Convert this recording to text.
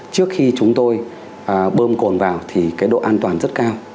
trước khi chúng tôi bơm cồn vào thì cái độ an toàn rất cao